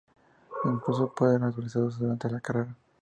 Incluso pueden ser actualizados durante la carrera.